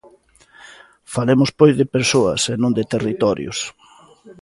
Falemos pois de persoas e non de territorios.